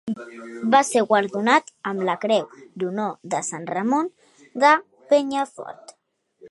Va ser guardonat amb la Creu d'Honor de Sant Ramon de Penyafort.